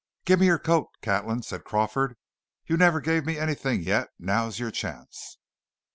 "Give me your coat, Catlin," said Crawford; "you never gave me anything yet; now's your chance."